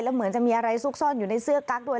เหมือนจะมีอะไรซุกซ่อนอยู่ในเสื้อกั๊กด้วย